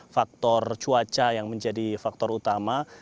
faktor cuaca yang menjadi faktor utama